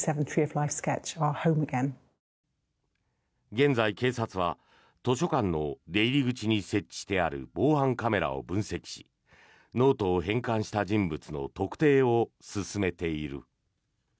現在、警察は図書館の出入り口に設置してある防犯カメラを分析しノートを返還した人物の特定を進めている。